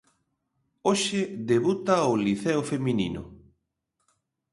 Hoxe debuta o Liceo feminino.